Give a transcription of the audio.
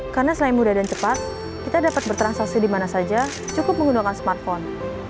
karena selain mudah dan cepat kita dapat bertransaksi di mana saja cukup menggunakan smartphone